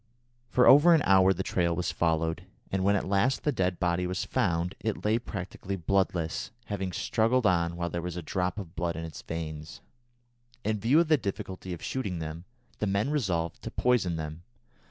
For over an hour the trail was followed, and when at last the dead body was found, it lay practically bloodless, having struggled on while there was a drop of blood in its veins. In view of the difficulty of shooting them, the men resolved to poison them.